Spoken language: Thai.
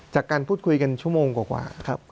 จากการพูดคุยกันชั่วโมงกว่าครับ